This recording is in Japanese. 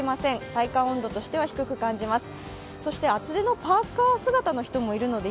体感温度としては低く感じます。